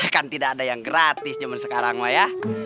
kan tidak ada yang gratis zaman sekarang lah ya